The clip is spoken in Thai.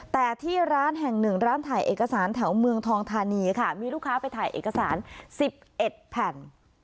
แต่ที่ร้านแห่งหนึ่งร้านถ่ายเอกสารแถวเมืองทองธานีค่ะมีลูกค้าไปถ่ายเอกสาร๑๑แผ่น